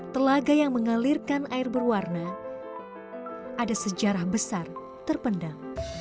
telaga yang mengalirkan air berwarna ada sejarah besar terpendam